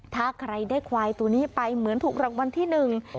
ถ้าใครได้ควายตัวนี้ไปเหมือนถูกรางวัลที่หนึ่ง